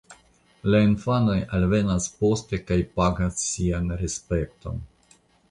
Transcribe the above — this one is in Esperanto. La infanoj alvenas poste kaj pagas sian respekton.